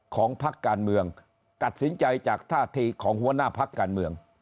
พักการเมืองตัดสินใจจากท่าทีของหัวหน้าพักการเมือง